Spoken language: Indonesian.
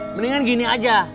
mendingan gini aja